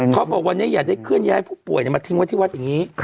เขาบอกวันนี้อย่าได้เคลื่อนย้ายผู้ป่วยมาทิ้งไว้ที่วัดอย่างนี้